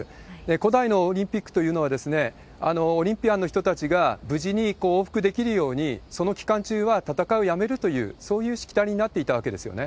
古代のオリンピックというのは、オリンピアンの人たちが無事に往復できるように、その期間中は戦いをやめるという、そういうしきたりになっていたわけですよね。